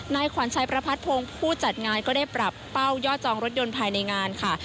นายขวัญชัยประพัทธพงศ์ผู้จัดงานก็ได้ปรับเป้ายอดจองรถยนต์ภายในงานค่ะ